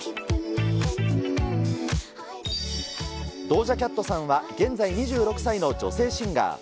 ドージャ・キャットさんは、現在２６歳の女性シンガー。